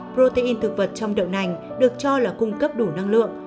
protein thực vật trong đậu nành được cho là cung cấp đủ năng lượng